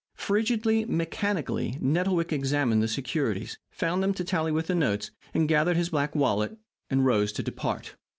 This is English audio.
Frigidly, mechanically, Nettlewick examined the securities, found them to tally with the notes, gathered his black wallet, and rose to depart.